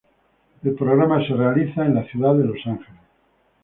El programa se realiza en la ciudad de Los Ángeles.